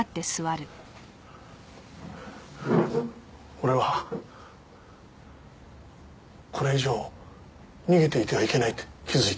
俺はこれ以上逃げていてはいけないって気づいた。